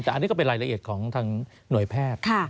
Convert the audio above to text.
แต่อันนี้ก็เป็นรายละเอียดของทางหน่วยแพทย์